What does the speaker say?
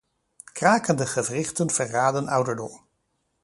Krakende gewrichten verraden ouderdom.